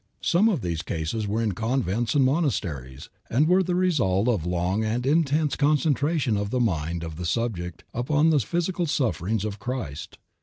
Some of these cases were in convents and monasteries, and were the result of long and intense concentration of the mind of the subject upon the physical sufferings of Christ.